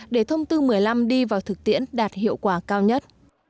để thông tư một mươi năm đi vào thực tiễn đạt hiệu quả cao nhất